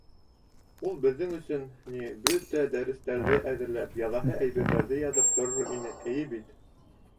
— Ул беҙҙең өсөн, ни, бөтә дәрестәрҙе әҙерләп, яҙаһы әйберҙәрҙе яҙып торор ине, эйе бит?